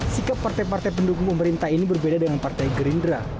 sikap partai partai pendukung pemerintah ini berbeda dengan partai gerindra